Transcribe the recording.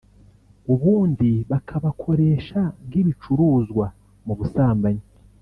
ubundi bakabakoresha nk’ibicuruzwa mu busambanyi”